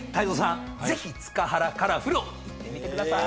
ぜひ塚原から風呂行ってみてくださーい。